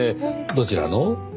どちらの？